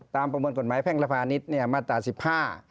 ตามประมวลกฎหมายแพ่งรภานิษฐ์มาตรา๑๕